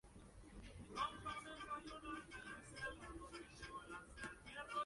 Escribió numerosos trabajos sobre arañas de Europa, Siberia y Australia.